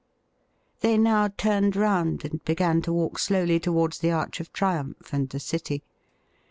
They now turned round and began to walk slowly towards the Arch of Triumph and the city.